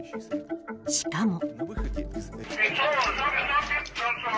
しかも。